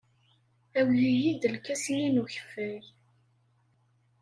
Awey-iyi-d lkas-nni n ukeffay.